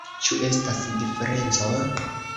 Ĉu estas diferenco?